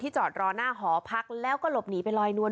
จอดรอหน้าหอพักแล้วก็หลบหนีไปลอยนวล